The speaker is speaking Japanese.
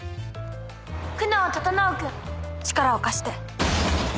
「久能整君力を貸して」